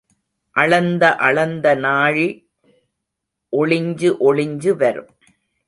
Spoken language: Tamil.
அளந்த அளந்த நாழி ஒளிஞ்சு ஒளிஞ்சு வரும்.